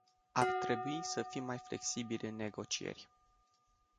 Ar trebui să fim mai flexibili în negocieri.